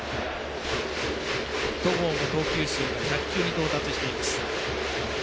戸郷も投球数、１００球に到達しています。